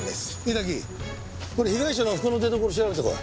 板木被害者の服の出どころ調べてこい。